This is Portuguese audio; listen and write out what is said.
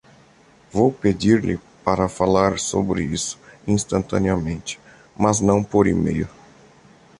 Vou pedir-lhe para falar sobre isso instantaneamente, mas não por e-mail.